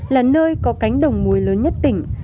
là nơi có cánh đồng muối lớn nhất tỉnh